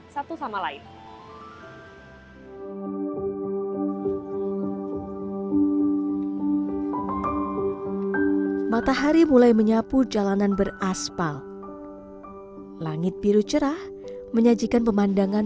satu sama lain matahari mulai menyapu jalanan beraspal langit biru cerah menyajikan pemandangan